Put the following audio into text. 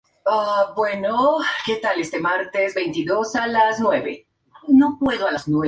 El más joven de los otros dos hombres parece indiferente, casi alegre.